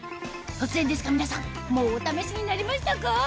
突然ですが皆さんもうお試しになりましたか？